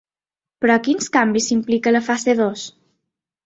Però quins canvis implica la fase dos?